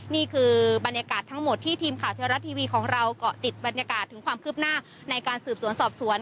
นี่คือบรรยากาศทั้งหมดที่ทีมข่าวเทวรัฐทีวีของเราเกาะติดบรรยากาศถึงความคืบหน้าในการสืบสวนสอบสวน